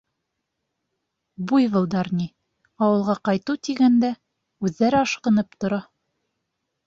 Буйволдар ни, ауылға ҡайтыу тигәндә, үҙҙәре ашҡынып тора.